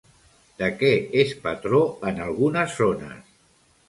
De què és patró en algunes zones?